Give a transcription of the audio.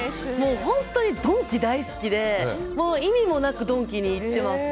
本当にドンキ大好きで意味もなくドンキに行ってます。